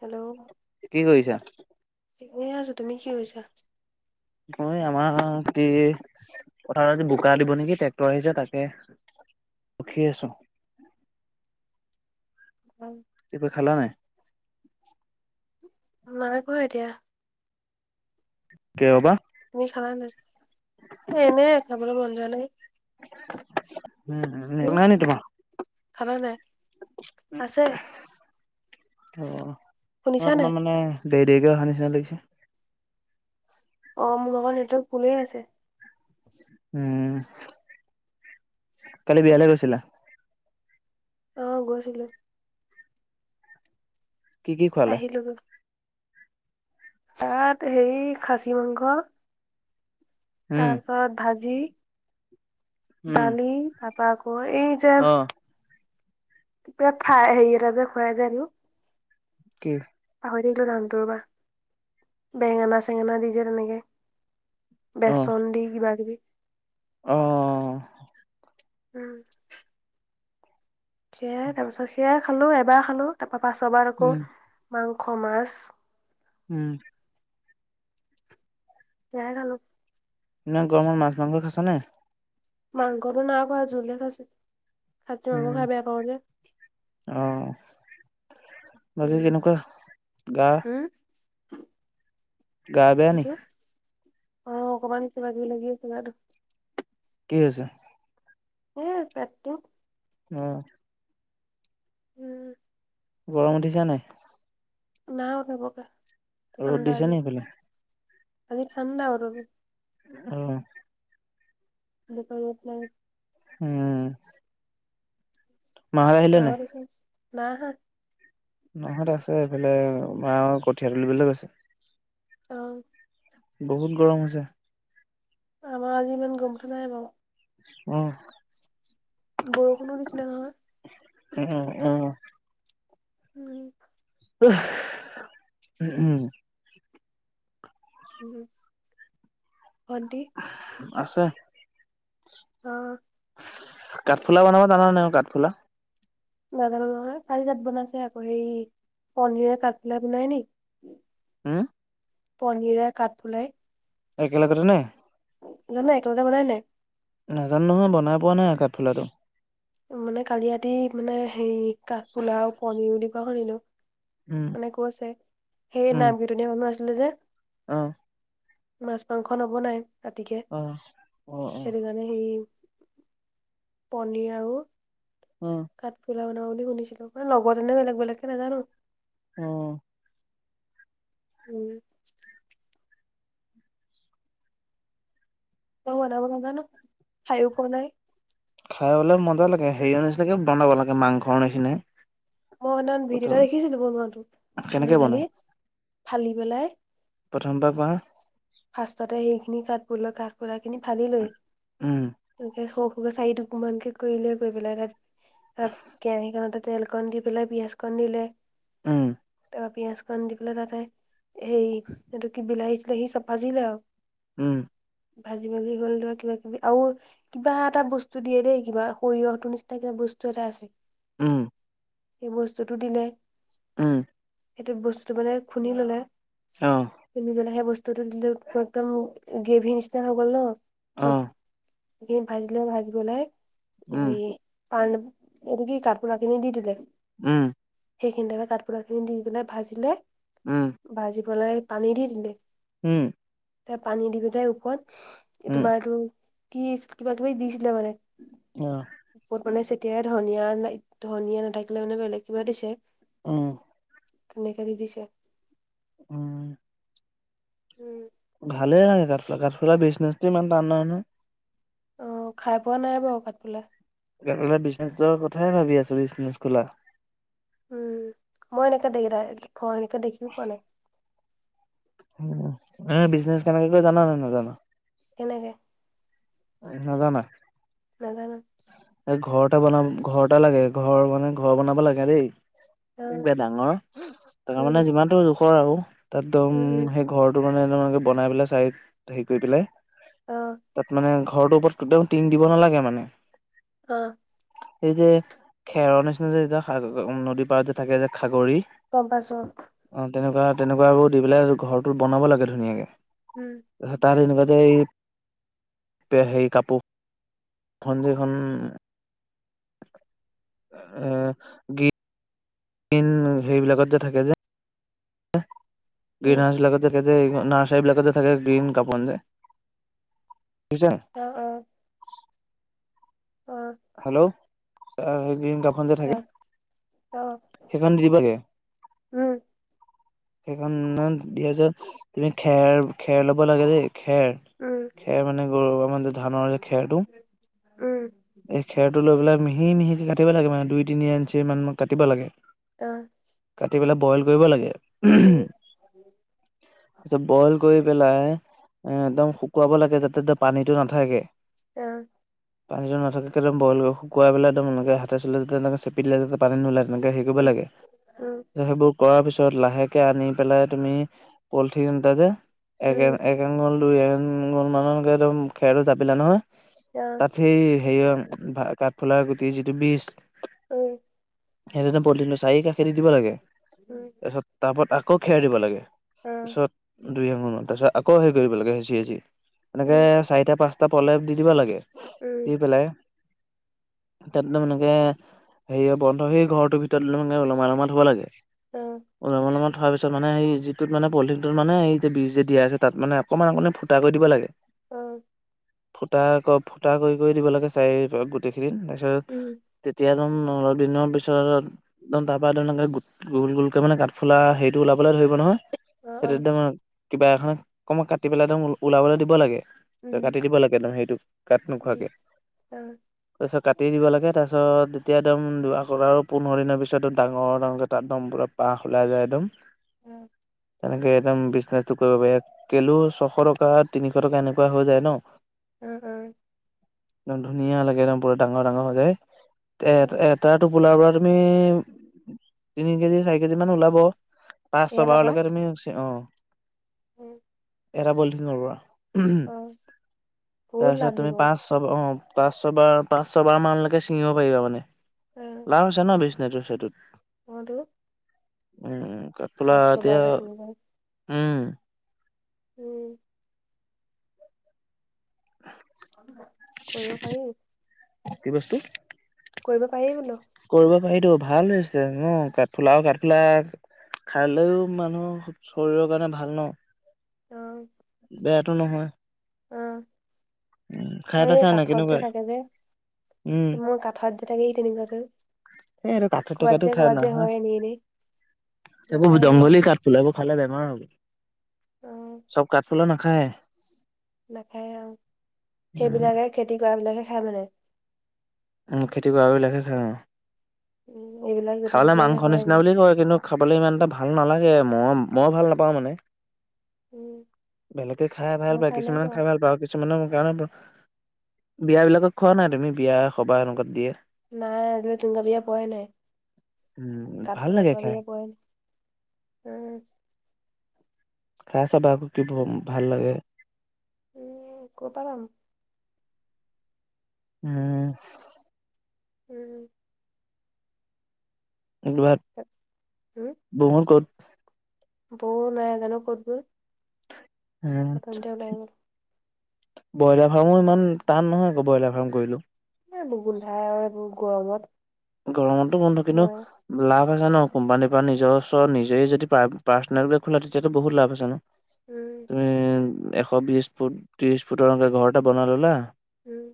Hello? কি কৰিছা? এনেই আছো। তুমি কি কৰিছা? মই আমাৰ কি পথাৰত আজি বোকা দিব নেকি ট্ৰেক্টৰ আহিছে তাকে। ৰখি আছোঁ। উম। কিবা কিবি খালা নাই? নাই কোৱা এতিয়া। কিয় বা তুমি খালা নে নাই? এনে খাবলৈ মন যোৱা নাই। উম, ন তুমি নাই নেকি তোমাৰ। খালা নাই? আছে। অ' মই শুনিছা নাই? অকমান মানে দেৰি দেৰিকে অহা নিচিনা লাগিছে। অ' মোৰ লগৰ নেটৱৰ্ক ফুলে আছে। উম, কালি বিয়ালৈ গৈছিলা? অ' গৈছিলো। কি কি খোৱালে? আহিলোগৈ তাত হেৰি সাচী মাংস। উম, তাৰপা ভাজি, উম, ডালি তাৰ পৰা আকৌ এই তি অ', ফ্ৰাই হেৰি এটা যে খুৱাই যে একো। কি পাহৰি থাকিলোঁ নামটোৰ বা বেঙেনা চেঙেনা দি যে তেনেকৈ। বেচন দি কিবা কিবি। অ'অ'অ' উম। সেয়াই তাৰ পাছত সেয়াই খালো এবাৰ খালো তাৰ পৰা পাছবাৰ আকৌ উম, মাংস, মাছ। উম। সেইয়াই খালোঁ। ইমান গৰমত মাছ, মাংস খাইছা নে। মাংসটো নাই খোৱা, জোলহে খাইছো সাচী মাংস উম, খাই বেয়া পাওঁ যে। অ' বাকী উম, কেনেকুৱা গা। উম, গা বেয়া নি? কিটো অ' অকমান কিবা কিবি লাগি আছে গাটো। কি হৈছে। উম, পেটটো উম। উম, গৰম উঠিছে নাই। ন উঠা বকে, ৰ'দ ঠাণ্ডা দিছে আজি, নি সেইফালে? আজি ঠাণ্ডা বতৰটো। উম। দোকানত নাই। উম। মাহঁত আহিলে নাই? মাহত আহিল, নাই অহা। মাহত আছে, এইফালে মা কঠীয়া তুলিবলৈ গৈছে। অ' বহুত গৰম হৈছে। আমাৰ আজি ইমান গৰমটো নাই বাৰু। অহ' বৰষুণৰ নিচিনা নহয়। উম, উম। উম। উশ, উম, উম। ভন্টি আছে অ' কাঠফুলা বনাব জান নাই আৰু কাঠফুলা। নাজানো নহয়, কালি তাত বনাইছে আকৌ সেই পনীৰে কাঠফুলাই বনাই নেকি। উম'। পঢ়িলে কাট ফুলাই। একেলগতে নে? জানোঁ একেলগতে বনাই নাই। নাজানোঁ নহয় বনাই পোৱা নাই কাঠফুলাটো। মানে কালি ৰাতি মানে হেৰি কাঠফুলা পনিৰ বুলি কোৱা শুনিলোঁ। উম মানে কৈছে আছে, সেই নাম কেইটা নিয়া মানুহ আছিলে যে। অহ। মাছ-মাংস নবনাই ৰাতিকে অ অ অ সেইটো কাৰণে। মানে হেৰি পনিৰ আৰু উম'। কাঠফুলা বনাব বুলি শুনিছিলোঁ মানে লগত এনেতেই নে বেলেগ বেলেগকে নাজানোঁ। উম'। উম। মই বনাব নাজানোঁ খাইয়ো পোৱা নাই। খাইা বোলে মজা লাগে, হেৰিৰ নিচিনাকে বনাব লাগে মাংসৰ নিচিনাকে। মই সেইনাখন ভিডিঅ' এটা দেখিছিলোঁ বনটো কেনেকে ফালি-ফালি, বনাই ফালি পেলাই। প্ৰথমৰপা কোৱা। ফাৰ্ষষ্টতে সেইখিনি কাঠ কাঠফুলাখিনি ফালি লৈ। উম। এনেকে সৰু সৰুকে চাৰি টুকুৰ মানকে কৰি লৈ কৰি পেলাই তাত কেৰাহীখনতে তেল তেল অকণ দি পেলাই পিয়জ কণ দিলে উম। তাৰপৰা পিয়য়াজখন দি পেলাই তাতে এই এইটো কি বিলাহী-চলাহী চব লয় আৰু। উম। ভাজি ভাজি হ'ল [unintelligible] কিবা-কিবি আৰু কিবা এটা বস্তু দিয়ে দেই কিবা, সৰিয়হটোৰ নিচিনা কিবা বস্তু এটা আছে। উম। সেই বস্তুতটো দিলে উম। সেইটো বস্তুটো মানে খুন্দি ল'লে অহ। কিনিবলেহে সেই বস্তুটো দিলে একদম গেভী নিচিনা হৈ গ'ল ন' অ চব। সেইখিনি ভাজিলোঁ ভাজি পেলাই, উম হেৰি পাণ এইটো কি কাঠফুলাখিনি দি দিলে। উম। সেইখিনিতে কাঠফুলাখিনি দি পেলাই ভাজিলে। উম। ভাজি পেলাই পানী দি দিলে। উম। তাই পানী দিবি তাই ওপৰত উম তোমাৰটো কি কিবা-কিবি দিছিলে মানে। উম। চব মানে চেতিয়াই ধনীয়া নে ধনীয়া নাথাকিলে মানে বেলেগ কিবা দিছে। উম। সেনে কৰি দিছে। উম। উম। ভালে লাগে কাঠফুলা, কাঠফুলা বিজনেছটো ইমান টান নহয় নহয়। অ' খাই পোৱা নাই বাৰু কাতফুলা। সেইকাৰণে বোলে বিজনেছৰ কথায়েই ভাবি আছোঁ বিজনেছ খোলা। উম, মই এনেকে দেওদাই এনেকে দেখিয়ে পোৱা নাই। উম, মানে বিজনেচ কেনেকে কৰে জান নে নাজান? কেনেকে? উ, নাজান? নাজানো। এই ঘৰ এটা বনা, ঘৰ এটা লাগে ঘৰ মানে ঘৰ বনাব লাগে দেই। অ ডাঙৰ উম তাৰমানে যিমানটো জোখৰ আৰু তাতদম উম উম সেই ঘৰত টো মানে এনেকুৱা বনাই পেলাই চাইত হে কৰি পেলাই অ'। তাত মানে ঘৰটোৰ ওপৰত কেতিয়াও টিং দিব নালাগে মানে। অ'। এই যে খেৰৰ নিচিনা যে যেতি নদীৰ পাৰত যে থাকে যে খাগৰি গম পাইছোঁ। অ' তেনেকুৱা তেনেকুৱাবোৰ দি পেলাই ঘৰটো বনাব লাগে ধুনীয়াকে। হুম। তাৰপিছত এনেকুৱাতে এই হেৰি কাপোৰখন যে এখন এ, গী গ্ৰীণ হেইবিলাকত যে থাকে যে কি গ্ৰীণ হাউচবিলাকত যে থাকে যে এই নাৰ্চাৰীবিলাকত যে থাকে গ্ৰীণ কাপন যে বুইচা? অ', অ'। অ'। হেল্ল'। এ, গ্ৰীণ কা এখন যে থাকে তাৰ অ সেইখন দি দিব লাগে। উম সেইখন দিয়ে যে তুমি খেৰ খেৰ ল'ব লাগে দেই খেৰ উম খেৰ মানে গৰু বান্ধে মানে ধানৰ খেৰটো। উম। এই খেৰটো লৈ পেলাই মিহি মিহিকে কাটিব লাগে, মানে দুই তিনি ইঞ্চিমান কাটিব লাগে। অ'। কাটি পেলাই বইল কৰিব লাগে। উম এতে বইল কৰি পেলাই এ, একদম শুকুৱাব লাগে যাতে পানীটো নাথাকে। অ'। পানীটো নাথাকে একদ বইল শুকুৱাই পাই একদম এনেকে হাতে চুলে যাতে এনেকে চেপ পি যাতে পানী নোলায় তেনেকে হেৰি কৰিব উম লাগে। উম সেইবোৰ কৰাৰ পিছত লাহেকে আনি পেলাই তুমি পলথিন এটা যে একে উম এ এক এংগল, দুই এংগল মানৰকে একদম খেৰটো জাপিলা নহয় অ তাত হেই হেৰি কাঠফুলাৰ গুটিৰ যিটো বীজ উম। সেইটোলে পলিথিনটো চাৰি কাষে দি দিব লাগে। উম। তাৰপিছত আকৌ খেৰ দিব লাগে অ তাৰিছত দুই আঙুলমান তাৰপিছত আকৌ হেৰি কৰিব লাগে হেচি হেঁচি, এনেক উম চাৰিটা পাঁচ টা প্ৰলেপ দি দিব লাগে, উম দি পেলাই তাত মানেকে হেৰি বন্ধ সেই ঘৰটোৰ ভিতৰত মানে উলমাই উলমাই থ'ব লাগে। অ'। উলমাই উলমাই থোৱাৰ পিছত মানে সেই যিটোত মানে পলিথিনটোত মানে এই যে বিজ যে দিয়া আছে তাত মানে অকণমান অকণমান ফুটা কৰি দিব লাগে। অ'। ফুটা ক ফুটা কৰি কৰি দিব লাগে চাৰি [unintelligible] গোটেইখিনি তাৰপিছত তেতিয়া [unintelligible] অলপ দিনৰ পিছত দম তাৰ পৰা [unintelligible] গোট গোল গোলকে মানে কাঠফুলা হেৰিটো ওলাবলে ধৰিব নহয়। সেইটো একদম কিবা এখন কনমা কাটি পেলাই [unintelligible] ওলাবলে দিব লাগে। [unintelligible] কাটি দিব লাগে এদ হেৰিটো কাট নোখোঁৱাকে অ'। তাৰপিছত কাটি দিব লাগে তাৰপিছত, তেতিয়া একদম [unintelligible] আৰু পোন্ধৰ দিনৰ পিছতোঁ ডাঙৰ ডাঙৰকৈ তাত একদম পুৰা পাঁহ ওলাই যায় এদম উম। তেনেকে একদম বিজনেচটো কৰিব পাৰি। কেলো ছশ টকা, তিনিশ টকা এনেকুৱা হৈ যায় ন। উম, উম। একদম ধুনীয়া লাগে একদম পুৰা ডাঙৰ ডাঙৰ হৈ যায়। টা এটা এটাটো ফুলাৰ পৰা তুমি তিনি কেজি, চাৰি কেজি মান ওলাব। পাঁচ ছয় বাৰ লেকে তুমি [unintelligible] অ'। এটা পলিথিঙৰ পৰা [unintelligible] তাৰপিছত তুমি পাঁচ হ'ব অ', পাঁচ ছয় বাৰ পাঁচ ছয় বাৰ মানলেকে ছিঙিঁব পাৰিবা মানে। লাভ আছে ন বিজনেছোৰ সেইটোত। অ', টোঁ। উম, উম। কাঠফুলা এতিয়া ছবাৰকে কোনোবাই উম উম। [inaudible] কৰিব পাৰি। কি বস্তু? কৰিব পাৰি বোলোঁ। কৰিব পাৰিতো ভাল হৈছে ন। কাঠফুলাও কাঠফুলা খালেওঁ মানুহ [unintelligible] শৰীৰৰ কাৰণে ভাল ন। অ'। বেয়াটো নহয়। অ'। উম খাই মই এই পাইছা নাই কাঠত যে কেনেকুৱা? থাকে যে। উম তোমাৰ কাঠত যে থাকে সেই তেনেকুৱাতো এই এইটো কাঠত ক'বাত থকাটো যে খাই ক'ৰবাত যে নহয় হয় এনেই এনেই। সেইবোৰ নাখায় অ জংঘলি কাঠফুলা সেইবোৰ খালে বেমাৰ হ'ব। অ'। চব কাঠফুলা নাখায়। নাখায় অ'। উম সেইবিলাকে খেতি কৰা বিলাকে খাই মানে উম, খেতি কৰা বিলাকে খায় অ'। উম, এইবিলাক য'তে খাৱলে ত'তে যে মাংস হয় নিচিনা এনেই বুলি কয়, কিন্তু খাবলে ইমান এটা ভাল নালাগে মই মই ভাল নাপাওঁ মানে। উম, বেলেগে খাই ভাল মই পায়। নাই কিছুমান পোৱা খাই ভাল পায় আৰু কিছু কিছুমানৰ মোৰ কাৰণে ব বিয়াবিলাকক খোৱাঁ নাই তুমি বিয়া সবাহ এনেকুৱাত দিয়ে। নাই আজিলে তেনেকুৱা বিয়া পোৱাই নাই। উম ভাল কাঠফুলা লাগে খোৱাঁ খাই। বিয়া পোৱাই নাই, উম। খাই চাবা আকৌ কি ভম ভাল লাগে। উম, ক'পা পাম? উম। উম। দোৱাত [unintelligible] [unintelligible] উম। বৌ হঁত ক'ত? বৌ নাই জানো ক'ত গ'ল? উা অথনিতে ওলাই গ'ল ব্ৰইলাৰ ফাৰ্মো ইমান টান নহয় আকৌ ব্ৰইলাৰ ফাৰ্ম কৰিলো নবোৰ গোন্ধাই আৰু এইবোৰ গৰমত গৰমতো বন্ধ কিন্তু মৰে লাভ আছে ন কোম্পানীৰ পৰা নিজৰ ওচৰ নিজে যদি পাৰ্চনেলকে খোলা তেতিয়াতো বহুত লাভ আছে ন উম তুমি এশ বিশ ফুট ত্ৰিছ ফুটৰকে ঘৰ এটা বনাই ল'লা উম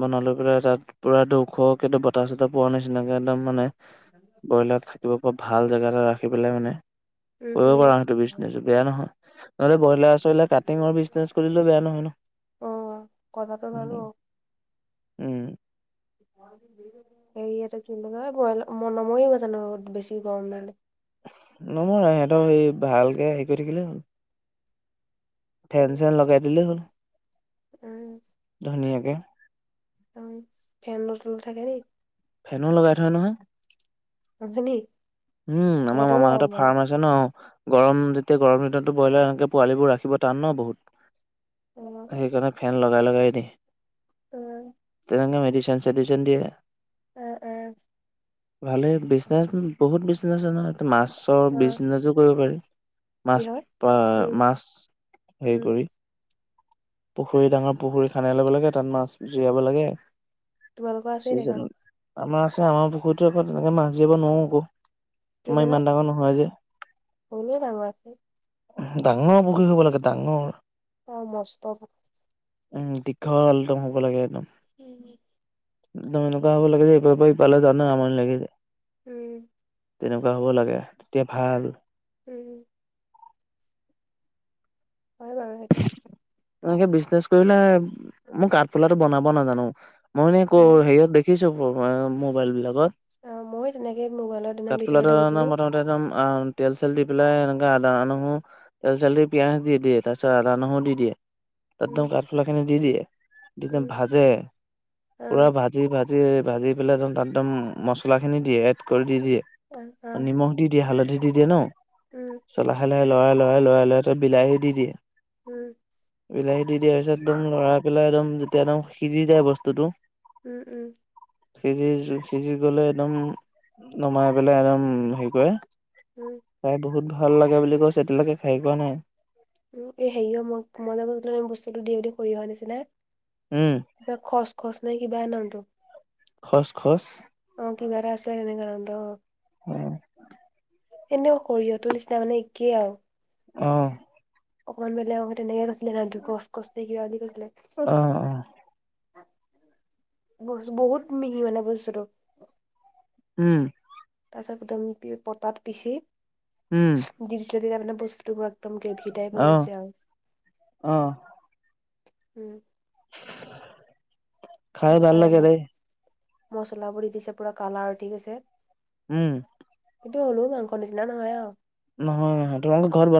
বনালৈ পেলাই তাত পুৰা দুশকেইো বতাহ চতাহ পোৱা নিচিনাকে একদম মানে ব্ৰইলাৰ থাকিব পৰা ভাল জাগা এটা ৰাখি পেলাই মানে কৰিব উম পাৰো সেইটো বিজনেচ বেয়া নহয় নহ'লে উম ব্ৰইলাৰ চইলাৰ কাটিঙৰ বিজনেছ কৰিলেও বেয়া নহয় ন অ কথাটো ভালো উম স ইতে কিা মনময় গ জানো বেছি গৰম নে নমৰা সিহঁতৰ স ভালকে হেৰি কৰি থাকিলে হ'ল ফেন চেন লগাই দিলেই হ'ল উম ধুনীয়াকৈ ত ফেন লচ থাকে ন ফেনো লগাই থয় নহয় অখ [unintelligible] উম আমাৰ মামাহঁতে ফাৰ্ম আ ছে ন গৰম যেতিয়া গৰম দিনতো ব্ৰয়লাৰ সেনেকে পোৱালিবোৰ ৰাখিব টান ন বহুত উম সেইকাৰণে ফেন লগাই লগাই দি উম ইে মেডিচিন সেডিচিন দিয়ে উম উম ভালে বিজনেছ বহুত বিজনেচ নহয়তে মাছৰ অ বিজনেচো কৰিব পাৰি কি মাছ হয় প উম মাছ উম, হেৰি কৰি পুখুৰী ডাঙৰ পুখুৰী খানাই ল'ব লাগে তাত মাছ জীয়াব লাগে তোমালোকৰ আছেই দেখোন চিজন আমাৰ আছে আমাৰ পুখুৰীতো আকৌ তেনেকে মাছ জীয়াব নোৱাৰো আকৌ আমাৰ ইমান ডাঙৰ নহয় যে এনে ডাঙৰ আছে ডাঙৰ বহী হ'ব লাগে ডাঙৰ অ মস্ত উম দীঘল একদম হ'ব লাগে একদম উম একদম এনেকোৱা হ'ব লাগে যে ইফালৰ পৰা সিফালে জাওতে আমনি লাগে যে উম তেনেকুৱা হ'ব লাগে তেতিয়া ভাল উম হয় বাৰু সেইটো এনেকে বিজনেচ কৰিলে মই কাঠফুলাটো বনাব নাজানো মইনেে ক মই হেৰিয়ত দেখিছো মোবাইল বিলাকত অ মইো তেনেকে মোবাইলৰ দিনৰ ভিতৰত কাঠফুলাটো দেখিছিলো প্ৰথমতে একদম তেল চল দি পেলাই এনেকাে আদা নহৰু তেল চল দি পিয়াঁাজ দি দিয়ে তাৰপিছত আচ্ছাদা নুহো দি দিয়ে উম, একদম কাঠফুলা খিনি দি দিয়ে দিনে উম, ভাজে পুৰা অ', ভাজে ি ভাজি ভাজি পেলাই তাতদম মছলা খিনি দিয়ে এড কৰি দি দিয়ে অ', অ', নিমখ দি দিয়ে হালধি দি দিয়ে ন উম। চ লাহে, লাহে লৰাই, লৰাই, লৰাই, লৰাই তাত বিলাহী দি দিয়ে। উম। বিলাহী দি দিয়াৰ পিছত একদম লৰাই পেলাই একদম যেতিয়া একদম সিজি যায় বস্তুটো। উম, উম। সিজি, সিজি গলে একদম নমাই পেলাই একদম হেৰি কৰে। উম। খাই বহুত ভাল লাগে বুলি কৈছে, এতিয়ালৈকে খাই পোৱা নাই। উম, এই হেৰিয় ম-মই বস্তুটো দিওঁতে সৰিয়হৰ নিচিনা। উম। কিবা খচ, খচ নে কিবা নামটো। খচ, খচ। অ', কিবা এটা আছিলৈ তেনেকুৱা নামটো। উম। কিন্তু সৰিয়হটো নিচিনা মানে একেই আৰু। অ'। অকণমান বেলেগকে তেনেকৈছিলে খচ খচ নে কিবা বুলি কৈছিলে। অ', অ'। ব-বহুত মিহি মানে বস্তুটো। উম। তাৰপাছত একদম পতাত পিচি। উম। দি দিছোঁ তেতিয়া মানে বস্তুবোৰ একদম গেভী টাইপ হৈ অ গৈছে আৰু। অ উম। [unintelligible] কাৰ লাগে দেই মচলাবোৰ দি দিছে পূৰা কালাৰ উঠি আছে। উম। কিন্তু হ'লেওঁ মাংস নিচিনা নহয় আৰু। নহয় তোমালোকৰ ঘৰ